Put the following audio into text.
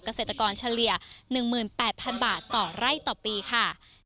เกษตรกรเฉลี่ย๑๘๐๐๐บาทต่อไร่ต่อปีค่ะ